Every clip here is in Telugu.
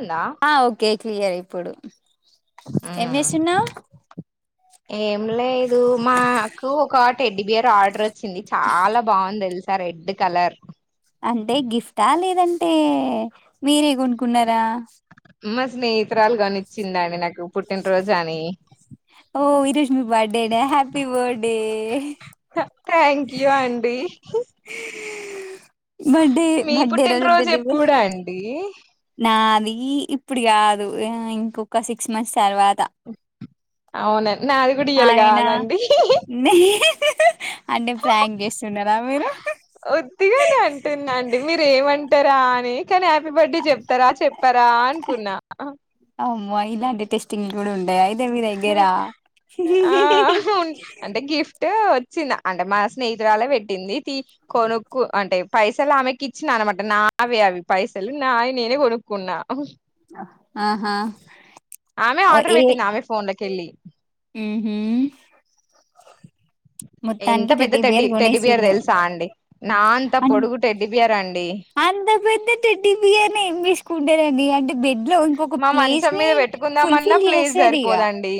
ఉందా హా ఓకే క్లియర్ ఇప్పుడు ఏం ఉమ్ చేస్తున్నావు ఏం లేదు మాకు ఒక టెడ్డిబియర్ ఆర్డర్ వచ్చింది చాలా బాగుంది తెలుసా రెడ్ కలర్ అంటే గిఫ్టా లేదంటే మీరే కొనుకున్నారా మా స్నేహితురాలు కొనిచ్చిందండి నాకు పుట్టినరోజు అని ఓ ఈరోజుమీ బర్డేనా హ్యాపీ బర్డే థ్యాంక్యూ అండి బర్డే మీ బడ్డేరోజు పుట్టినరోజు టెడ్డిబేర్ ఎప్పుడు అండి నాది ఇప్పుడు కాదు ఇంకొక సిక్స్ మంత్స్ తర్వాత అవునండి నాది కూడా ఇయ్యాల అయినా కాదండి అంటే ప్రాంక్ చేస్ చేసుకుంటున్నారా మీరు ఉట్టిగానే అంటున్నాండి మీరు ఏమంటారా అని కాని హ్యాపీ బర్త్డే చెప్తారా చెప్పారా అనుకున్నా అమ్మ ఇలాంటి టెస్టింగ్లు ఉంటాయా అయి తా మీ దగ్గర ఆ ఉన్- అంటే గిఫ్ట్ వచ్చింది అంటే మా స్నేహితురాలే పెట్టింది కొనుక్కు అంటే పైసలు ఆమెకి ఇచ్చిన న్నమాట నావే అవి పైసలు నావి నేనే కొనుక్కున్నా ఆహా ఏ కెళ్లి ఊహూ ఎంత మొత్తానికి పెద్ద టెడ్డి టెడ్డిబేర్ టెడ్డిబియర్ కొనేసిల్లు తెలుసా అండి నా అంత అం పొడుగు టెడ్డిబియర్ అండి అంత పెద్ద టెడ్డిబియర్ నీ ఏం చేసుకుంటారండి అంటే బెడ్ ఇంట్లో ఇంకొక మా ప్లేస్ మంచం ని మీద పెట్టుకుందామన్నా ఫుల్ఫిల్ ప్లేస్ చేస్తది ఇక సరిపోదండి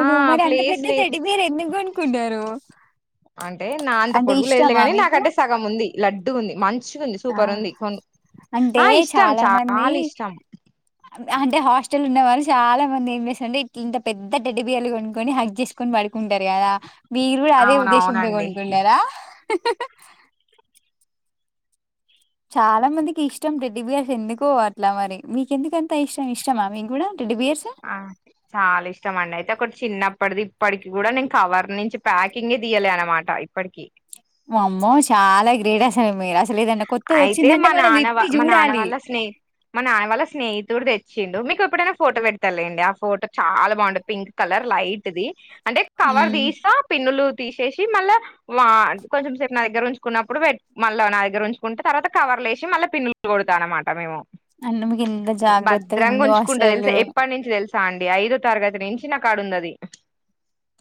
ఆ మరి అంత ప్లేస్ పెద్ద లే టెడ్డిబియర్ ఎందుకు కొనుకున్నరు అంటే నా అంత పొడుగు లేదులే గాని మీకు నాకంటే సగం ఉంది లడ్డుగుంది మంచిగా మంచిగుంది ఆ సూపర్ ఉంది కొను అంటే ఆ ఇష్టం మంది చాలా ఇష్టం అంటే హాస్టల్ ఉన్నవాళ్ళు చాలా మంది ఏం చేస్తరంటే ఇట్ ఇంత పెద్ద టెడ్డిబియర్ లు కొనుక్కొని హగ్ చేసుకొని పడు కుంటారు కదా మీరు కూడా అదే ఉద్దేశంతో అవునవునండి కొనుక్కున్నరా చాలా మందికి ఇష్టం టెడ్డిబేర్స్ ఎందుకో అట్లా మరి మీకెందుకంత ఇష్టం ఇష్టమా మీకూడా ఆ చాలా ఇష్టమండి అయితే ఒకటి చిన్నప్పటిది ఇప్పటికి కూడా నేను కవర్ నుంచి ప్యాకింగే తీయలే అన్నమాట ఇప్పటికి వామ్మో చాలా గ్రేట్ అసలు మీరు అ లేదన్న కొత్తది అయితే వచ్చిందంటే మా మనం నాన్న వా విప్పి మా నాన్న చూడాలి వాళ్ళ స్నే మా నాన్న వాళ్ళ స్నేహితుడు తెచ్చిండు మీకు ఎప్పుడైనా ఫోటో పెడతలేండి ఆ ఫోటో చాలా బాగుంటంది పింక్ కలర్ లైట్ది అంటే కవర్ ఉమ్, తీస్తా పిన్నులు తీసేసి మళ్ళా కొంచెం సేపు నా దగ్గర ఉంచుకున్నప్పుడు మళ్ళా నా దగ్గ దగ్గరంచుంటే తర్వాత కవర్ లేసి మళ్ళీ పిల్లు కొడతా అన్నమాట మేము అండ్ మీకు ఎంత జాగ్రత్తగా భద్రంగా ఉందో ఉంచుకుంటా అసలు తెలుసా ఎప్పటి నుంచి తెలుసా చ అండి ఐదో తరగతినించిిన కాడు ఉంది అది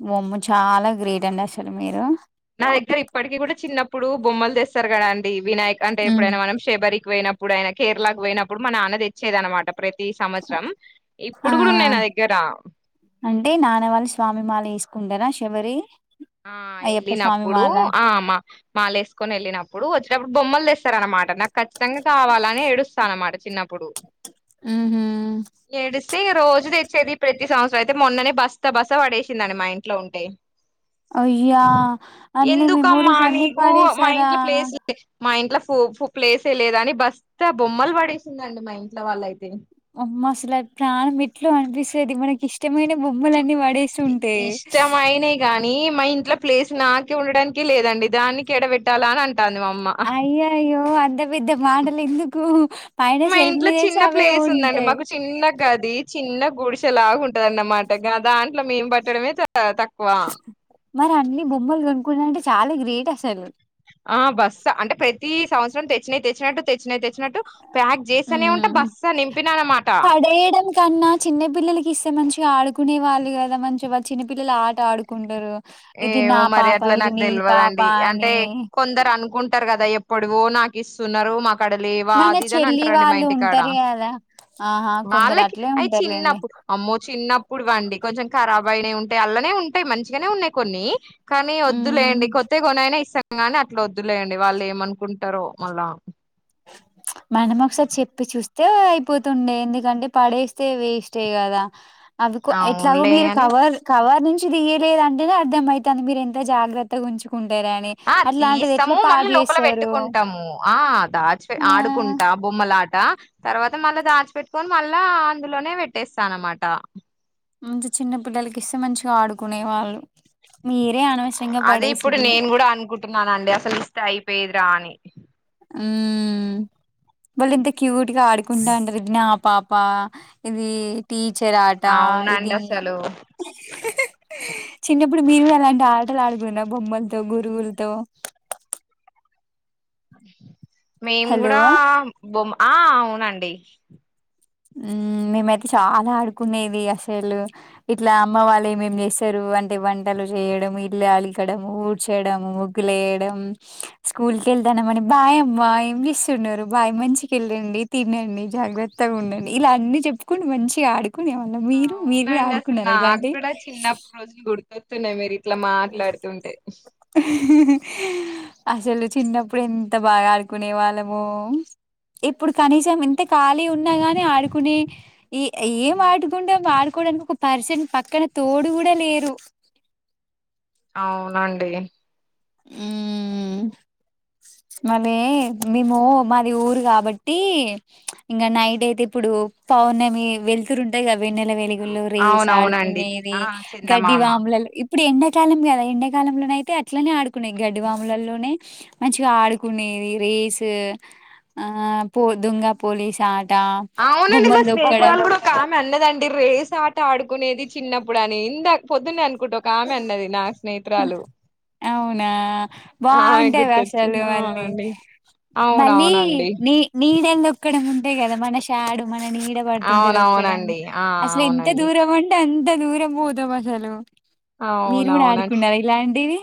మమ్మ చాలా గ్రేట్ అండి అసలు మీరు నా దగ్గర ఇప్పటికీ కూడా చిన్నప్పుడు బొమ్మలు తెస్తారు కదా అండి వినాయక్ ఉమ్. అంటేప్పుడైనా మనం షబరికి పోయినప్పుడు ఆయన కేరళకు పోయినప్పుడు మన ఆనది తెచ్చేది అనమాట ప్రతి సంవత్సరం ఆ ఇప్పుడు కూడా ఉన్నాయి నా దగ్గర అంటే నానవాళ్ళి స్వామి మాల తీసుకుంటేార చివరి ఆ వెళ్ళినప్పుడు ఆ మా మాాల వేసుకొని వెళ్ళినప్పుడు వచ్చినప్పుడు బొమ్మలు తెస్తార అనమాట నాకు ఖచ్చితంగా కావాలని ఏడుస్తా అన్నమాట చిన్నప్పుడు ఆహ సే రోజు తెచ్చేది ప్రతి సంవత్సరం అయితే మొన్ననే బస్తా బస్తా పడేసిందండి మా ఇంట్లో ఉంటే అయ్యా అన్ని ఎందుకమ్మా మెమోరీస్ అన్ని నీకు మా ఇంట్లో పాడేశారా ప్లేస్ మా ఇంట్లో ప్లేసే లేద అని బస్త బొమ్మలు పడేసిందండి మా ఇంట్లో వాళ్ళ అయితే మసాల ప్రాణ మ ఎట్లా అనిపిస్తుది మనకి ఇష్టమైన బొమ్మలన్నీ వాడేసింటే ఇట్లా ప్లేస్ నాకే ఉండడానికి లేదండి దానికి ఎడబెట్టాలా అని అంట అయ్య అయ్యో అది మా షెల్ఫ్ ఇంట్లో మీద ఏస్తే చిన్న అవే ప్లేస్ ఉందండి ఉంటాయి మాకు చిన్నగాది చిన్న గుడిసెలాగా ఉంటదన్నమాట దాంట్లో మేము పట్టడమే తక్కువ మరి అన్ని బొమ్మలు కొనుక్కున్నా అంటే చాలా గ్రేట్ అసలు ఆ బస్ అంటే ప్రతి సంవత్సరం తెచ్చినాయి తెచ్చినట్టు తెచ్చ వచ్చిన తెచ్చినట్టు ప్యాక్ చేస్తానే ఉంటే హ్మ్. బస్తా నింపినాను అన్నమాట పడేయడం కన్నా చిన్న పిల్లలకి ఇస్తే మంచిగా ఆడుకునే వాళ్ళు కదా మంచిగా వాళ్ళు చిన్నపిల్లలు ఆట ఆడుకుంటారు ఇది నా ఏమో మరి పాప అట్లా ఇది నాకు నీ పాప తెలియదండి అంటే అని కొందరు అనుకుంటు కదా ఎప్పుడువో నాకు ఇస్తున్నారు మాకు అక్కడ లేవా మన అది ఇది అని చెల్లి అంటారండి మా వాళ్ళు ఇంటికాడ ఉంటారు కదా ఆహా! కొందరు వాళ్ళకి అట్లే అయి ఉంటారులేండి. చిన్నప్పుడు అమ్మో చిన్నప్పుడుండి కొంచెం ఖరాబ్ అయినా ఉంట అల్లనే ఉంటాయి మంచిగానే ఉన్నాయి కొన్ని కానీ హ్మ్. వద్దులేయంండి కొత్తతే కొనయినా ఇస్తా గాని అట్లా వద్దులేయంండి వాళ్ళు ఏమనుకుంటారో మళ్ళా మనం ఒకసారి చెప్పి చూస్తే అయిపోతుండే ఎందుకంటే పడేస్తే వేస్టే కదా అవి ఎట్లాగ అవునులే మీరు అని కవర్ కవర్ ని లియలేద అంటే అర్థమవుతుంది మీరు ఎంత జాగ్రత్తగా ఉంచుకుంట ఆ తీస్తాము మళ్ళీ లోపల చేస్తారు పెట్టుకుంటాము ఆ దా ఆ ఆడుకుంటా బొమ్మలా తర్వాత మళ్ళా దాచిపెట్టుకొని మళ్ళా అందులోనే పెట్టేస్తాన అనమాట అంత చిన్న పిల్లలకి ఇస్తే మంచిగా ఆడుకునే వాళ్ళు మీరే అనవసరంగా అదే ఇప్పుడు పడేసిల్లు నేను కూడా అనుకుంటున్నానండి అసలు ఇస్తే అయిపోయేది రాణి ఆ వాళ్ళు ఇంత క్యూట్ గా ఆడుకుంటా ఉంటారు ఇది నా పాప ఇది టీ చెరాట ఇది అవునండి అసలు చిన్నప్పుడు మీరు కూడా అలాంటి ఆటలు ఆడుకున్న బొమ్మలతో గురువులతో మేము హలో కూడా బొమ్మ ఆ అవునండి మేమైతే చాలా ఆడుకునేది అసలు ఇట్లా అమ్మ వాళ్ళేమేం చేసారు వంటి వంటలు చేయడం ఇల్లు అలగడం ఊడ్చడం ముగ్గులుయడం స్కూల్ వెళ్తానమని బాయ్ అమ్మా ఏం చేస్తున్నారు బాయ్ మంచిగా వెళ్ళండి తినండి జాగ్రత్తగా ఉండం ఇలా అన్నీ చెప్పుకుండు మంచిగా ఆడు కునే వాళ్లం మీరు మీరు కూడా అవునండి ఆడుకున్నార ఇలాంటీవి గుర్తున్నాయి మీరు ఇట్లా మాట్లాడుతుంటే అసలు చిన్నప్పుడు ఎంత బాగా ఆడుకునే వాళ్లమో ఇప్పుడు కనీసం ఇంత ఖాళీ ఉన్నా గాని ఆడుకునే ఏం ఆడుకుంటే ఆడుకొ కోడానికి ఒక పర్సన్ పక్కన తోడు కూడా లేరు అవునండి మ్ మళ్లీ మేము మాది ఊరు కాబట్టి ఇంగ నైట్ అయితే ప్పుడు పౌర్ణమి వెళ్తురు ఉంటాది కదా వెన్నెల వెలుగుల్లో రేస్ అవునవునండి ఇది ఆడుకునేది ఆ గడ్డి చందమామ వాములలో ఇప్పుడు ఎండాకాలం కదా ఎండాకాలంలోన అయితే అట్లనే ఆడుకున్నే గడ్డివాములలోనే మంచిగా ఆడుకునేది రేస్ అ పో దొంగ పోలీస్ ఆ అవునండి మా స్నేహితురాలు కూడా ఒక ఆమె అన్నదండి రేస్ ఆట ఆడుకునేది చిన్నప్పుడు అని ఇందా పొద్దున్న అనుకుంటా ఒక ఆమె అన్నది నా స్నేహితురాలు అవునా ఆమె బాగుంటాది అసలు గుర్తొచ్చింది మళ్లీ అవునండి మళ్లీ అవునవునండి నీ నీడనీ తోక్కడము ఉంటాయి కదా మన షాడో మన నీడ పడుతుంటే తొక్కడం అవునవునండి ఆ అసలు ఎంత అవునండి దూరం అంటే అంత దూరం పోతం అసలు మీరు కూడా అవునవునండి ఆడుకున్నార ఇలాంటివి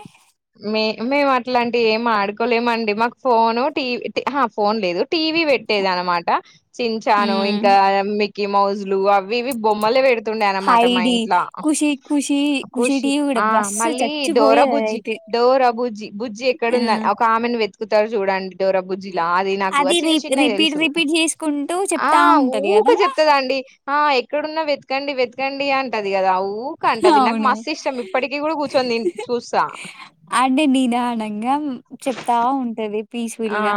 లేమండి మాకు ఫోను టీవీ ఆ ఫోన్ లేదు టీవీ పెట్టేది అన్నమాట చిన్ చాను ఉమ్ ఇంకా మి మిక్కి మౌజులు అవి ఇవి బొమ్మలే వెడు తుండే అన్నమాట మా హైడి ఇంట్లో ఖుషి ఖుషి ఖుషి టీవి కూడా ఆ బస్సు మళ్ళీ డోర చచ్చిపోయేది బుజ్జి అదైతే డోర బుజ్జి బుజ్జి ఎక్కడ ఆ ఉందని ఒక ఆమెను వెతుకుతరు అని చూడండి డోర బుజ్జి ఇలా అది నాకు రి చిన్న చిన్నవి రిపీట్ తెలుసు రిపీట్ చేసుకుంటూ ఆ చెప్తా ఉంటది ఊక కదా చెప్తది అండి ఆ ఎక్కడున్నా వెతకండి వెతకండి అంటది కదా ఊక అంటది నాకు మస్తు ఇష్టం అవును ఇప్పటికీ కూడా కూర్చొని తిం చూస్తా అంటే నిదానంగా మ్ చెప్తా ఉంటది ఆ పీస్‌ఫుల్‌గా.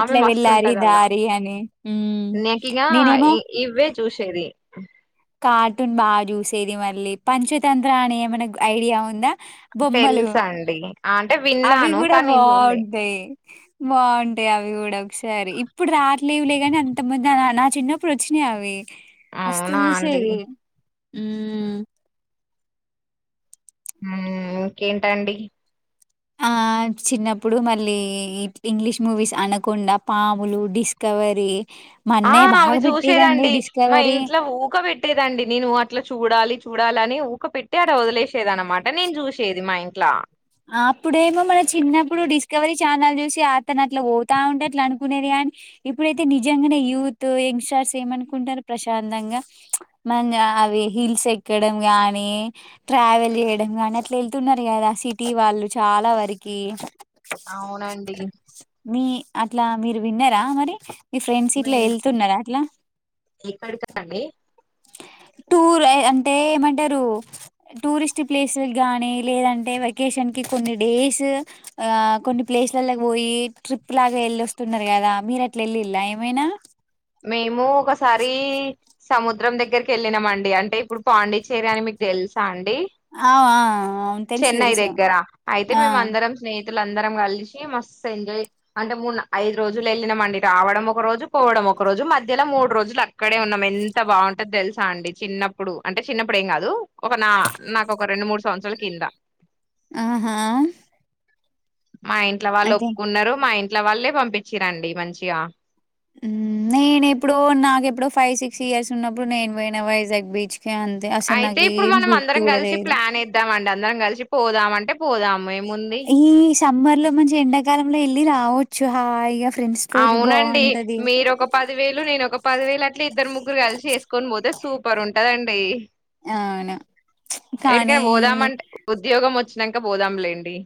ఆమె మస్త్ వెళ్ళాలి ఉంటది అల్లా దారి అని. హ్మ్. నాకింగా నేనేమో ఇ ఇ ఈవే చూసేది కార్టూన్ బాగా చూసేది మళ్లీ పంచతంత్ర అని ఏమన్నా ఐడియా ఉందా బొమ్మలు తెలుసా అండి ఆ, అంటే అవి విన్నాను కూడా కానీ నేను చూడలే బావుంటాయి బావుంటాయి అవి కూడా ఒకసారి ఇప్పుడు రావట్లేవు గాని అంతముందు నా చిన్నప్పుడు వచ్చినాయి అవి మస్త్ అవునా అండి చూసేది ఊమ్ మ్ ఇంకేంటండి ఆ చిన్నప్పుడు మళ్లీ ఇంగ్లీష్ మూవీస్ అనకొండ పాములు డిస్క వరి ఆ అవి చూసేదండి మా 'డిస్కవరీ'. ఇంట్లో ఊక పెట్టేదండి నేను అట్లా చూడాలి చూడాలని ఊక పెట్టి ఆడ వదిలేసేది అన్నమాట నేను చూసేది మా ఇంట్లా అప్పుడేమో మన చిన్నప్పుడు డిస్కవరి ఛానల్ చూసి అతను అట్లా పోతా ఉంటే అట్లా అనుకునేది కానీ నీ ఇప్పుడైతే నిజంగానే యూత్ యంగ్స్టర్స్ ఏమనుకుంటారు ప్రశాంతంగా మ అవి హిల్స్ ఎక్కడం గాని ట్రావెల్ చేయడం గానీ అట్లా వెళ్తున్నారు కదా సి టీ వాళ్లు చాలా వరకి అవునండి మీ అట్లా మీరు విన్నారా మరి మీ ఫ్రెండ్స్ మీ ఇట్లా వెళ్తున్నారా అట్లా ఎక్కడికండి టూర్ ఎ అంటే ఏమంటారు టూరిస్ట్ ప్లేసు లు గానీ లేదంటే వెకేషన్ కి కొన్ని డేస్ ఆ కొన్ని ప్లేస్ల్లకు పోయి ట్రిప్ లాగా వెళ్లి వస్తున్నారు కదా మీరు అట్లా వెళ్ళిల్ల ఏమైనా మేము ఒకసారి సముద్రం దగ్గరికి వెళ్ళినామండి అంటే ఇప్పుడు పాండిచ్చేరి అని మీకు తెలుసా అండి డి ఆ ఆ అవును తెలుసు చెన్నై తెలుసు దగ్గర అయితే ఆ మేమ అందరం స్నేహి స్నేహితులం అందరం కలిసి మస్తు ఎంజాయ్ అంటే మూ ఐదు రోజులు వెళ్ళినామండి రావడం ఒక రోజు పోవడం ఒక రోజు మధ్యలో మూడు రోజులు అక్కడే ఉన్నాం ఎంత బాగుంటో తెలుసా అండి చిన్నప్పుడు అంటే చిన్నప్పుడు ఏం కాదు ఒక నా నాకు ఒక రెండు మూడు సంవత్సరాల కింద ఆహా మా ఇంట్ల వాళ్ళు అయితే ఒప్పుకున్నారు మా ఇంట్ల వాళ్ళే పంపిచి రండి మంచిగా నేను ఎప్పుడో నాకెప్పుడో ఫైవ్ సిక్స్ ఇయర్స్ ఉన్నప్పుడు నేను పోయిన వైజాగ్ బీచ్ కి అంతే అసలు అయితే నాకు ఇప్పుడు ఏం మనం గుర్తు అందరం కూడా కలిసి లేదు ప్లాన్ ఏద్దమండ అందరం కలిసి పోదామంటే పోదాము ఏముంది ఈ సమ్మర్ లో మంచి ఎండాకాలంలో ఎల్లి రావచ్చు హాయిగా ఫ్రెండ్స్ తోటి అవునండి బాగుంటది మీరు ఒక పది వేలు నేను ఒక పది వేలు అట్లా ఇద్దరు ముగ్గురు కలిసి వేసుకొని పోతే సూపర్ ఉంటుంది కదండి అవును కానీ ఎటికే పోదామంటే ఉద్యోగం వచ్చి నంక పోదాంలేండి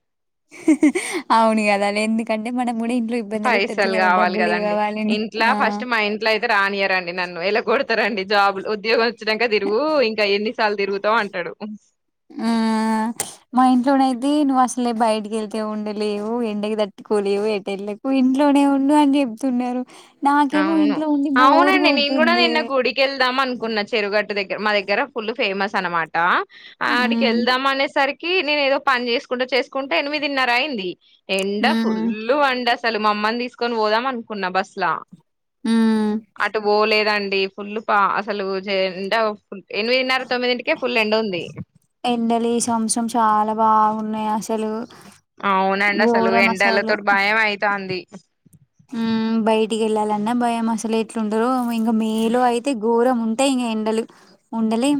అవును గద ఎందుకంటే మనం కూడా ఇంట్లో ఇబ్బంది పెట్టొద్దు పైసల్ కదా కావాలి డబ్బులు గదండి ఇవ్వవాలని ఇంట్లా ఆ ఫస్ట్ మా ఇంట్ల అయితే రానియరండి నన్ను ఎలగొడ్ తరండి జాబ్లు ఉద్యోగాలు వచినంక తిరుగు ఇంకా ఎన్నిసార్లు తిరుగుతావు అంటడు అదే నువ్వు అసలే బయటికి వెళ్తే ఉండలేవు ఎండకి తట్టుకోలేవు ఎటెళ్ళకు ఇంట్లోనే ఉండు అని చెప్ చెప్తున్నారు నాకేమో అవును ఇంట్లో ఉండి బోర్ అవునండి నేను కూడా కొడుతుంది నిన్న గుడికి వెళ్దాం అనుకున్నా చెరువు గట్టు దగ్గర మా దగ్గర ఫుల్ ఫేమస్ అనమాట ఆడికి హ్మ్ ఎళ్దాం అనేసరికి కీ నేను ఏదో పని చేసుకుంటా చేసుకుంట ఎనిమిదిన్నర అయింది ఎండ హ్మ్ ఫుల్లు వండ అసలు మా అమ్మని తీసుకొని పోదాం అనుకున్నా బస్ ల హ్మ్ అటు పోలేదండి ఫుల్ పా అసలు ఎండ ఎనిమిదిన్నర తొమ్మిదింటికే ఫుల్ ఎండ ఉంది ఎండలు ఈ సంవత్సరం చాలా బాగున్నాయి అసలు అవునండి అసలు ఘోరం ఎండలతోటి భయం అయితాంది హుమ్ బయటికి ఎళ్ళాలన్నా భయం అసలు ఎట్లుండలో ఇంక మేలో అయితే ఘోరం టే ఇంగ ఎండలు ఉండలేం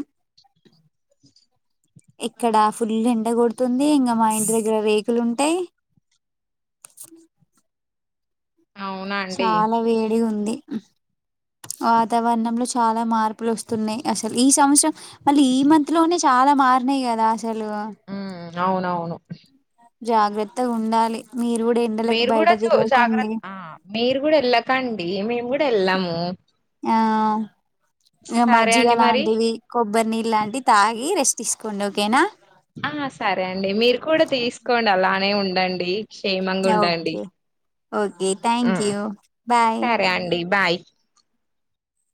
ఇక్కడ ఫుల్లు ఎండ కొడుతుంది ఇంగ మా ఇంటి దగ్గర రేకులు ఉంటాయ్ అవునా అండి చాలా వేడి ఉంది వాతావరణంలో చాలా మార్పులు వస్తున్నాయ్ అసలు ఈ సంవత్సరం మళ్ళీ ఈ మంత్ లోనే చా లా మారినాయి కదా [unintelligible] ఉమ్ అవును అవును జాగ్రత్తగా ఉండాలి మీరు కూడా ఎండలకు మీరు బయట కూడా చూ తిరగకండి జాగ్రత్త ఆ మీరు కూడా వెళ్ళకండి మేము కూడా వెళ్ళము ఆ మేము సరే మజ్జిగ అండి మరి లాంటివి కొబ్బరి నీళ్ళు లాంటివి తాగి రెస్ట్ తీసుకోండి ఓకేనా ఆ సరే అండి మీరు కూడా తీసుకోండి అలానే ఉండండి క్షేమంగా ఉండండి okay okay thank um you bye సరే అండి బాయ్